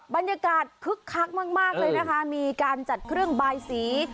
บรรยากาศคึกคักมากเลยนะคะมีการจัดเครื่องบายสี